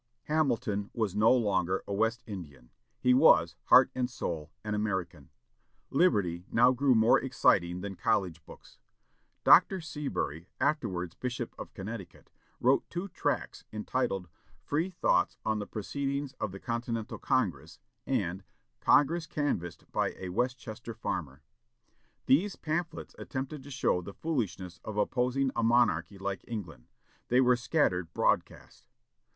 Hamilton was no longer a West Indian; he was, heart and soul, an American. Liberty now grew more exciting than college books. Dr. Seabury, afterwards Bishop of Connecticut, wrote two tracts entitled "Free Thoughts on the Proceedings of the Continental Congress," and "Congress Canvassed by a Westchester Farmer." These pamphlets attempted to show the foolishness of opposing a monarchy like England. They were scattered broadcast.